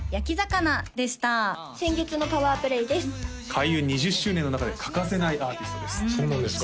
開運２０周年の中で欠かせないアーティストですそうなんですか？